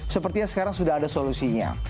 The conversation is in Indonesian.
sepertinya sekarang sudah ada solusinya